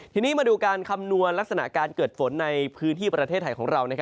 ทีนี้มาดูการคำนวณลักษณะการเกิดฝนในพื้นที่ประเทศไทยของเรา